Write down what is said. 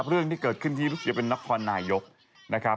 เรื่องที่เกิดขึ้นที่เป็นนักควรนายยบ